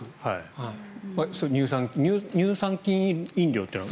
それ、乳酸菌飲料というのは。